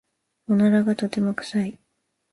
おならがとても臭い。